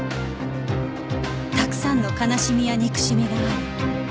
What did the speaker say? たくさんの悲しみや憎しみがある